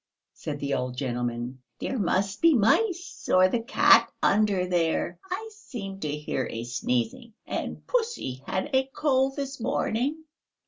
said the old gentleman. "There must be mice or the cat under there. I seem to hear a sneezing ... and pussy had a cold this morning."